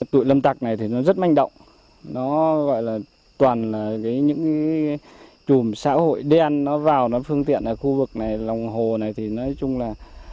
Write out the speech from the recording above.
tụi lâm tặc này thì nó rất manh động nó gọi là toàn là những cái chùm xã hội đen nó vào nó phương tiện ở khu vực này lòng hồ này thì nói chung là